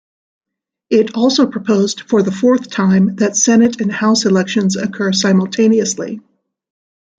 It also proposed for the fourth time that Senate and House elections occur simultaneously.